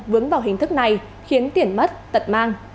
vướng vào hình thức này khiến tiền mất tật mang